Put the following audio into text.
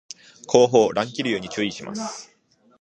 後方乱気流に注意します